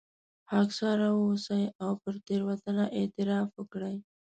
خاکساره واوسئ او پر تېروتنه اعتراف وکړئ.